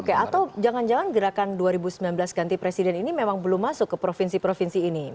oke atau jangan jangan gerakan dua ribu sembilan belas ganti presiden ini memang belum masuk ke provinsi provinsi ini